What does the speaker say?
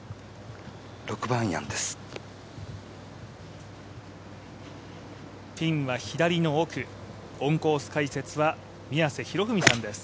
６番アイアンです。